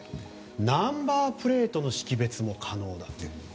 ナンバープレートの識別も可能だと。